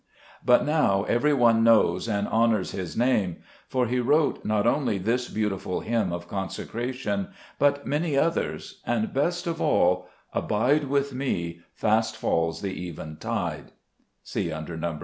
But now every one knows and honors his name, for he wrote not only this beautiful hymn of consecration, but many others, and, best of all, " Abide with me: fast falls the eventide," (see under No. 9).